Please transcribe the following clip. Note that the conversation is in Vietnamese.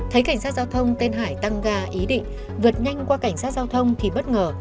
thấy cảnh sát giao thông tên hải tăng ga ý định vượt nhanh qua cảnh sát giao thông thì bất ngờ